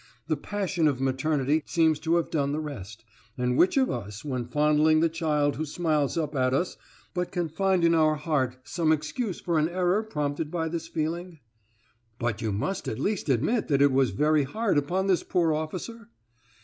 The passion of maternity seems to have done the rest, and which of us, when fondling the child who smiles up at us, but can find in our heart some excuse for an error prompted by this feeling?" "But you must at least admit that it was very hard upon this poor officer?"